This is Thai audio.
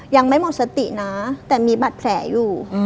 ยังไม่หมดสตินะแต่มีบัตรแผลอยู่